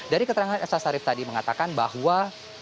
dari keterangan elsa syarif tadi mengatakan bahwa